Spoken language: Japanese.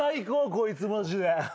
こいつマジで。